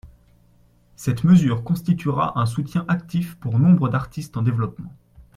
Cette mesure constituera un soutien actif pour nombre d’artistes en développement.